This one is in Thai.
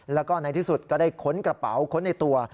แล้วก็ในที่สุดก็ได้ค้นกระเป๋าค้นในตัว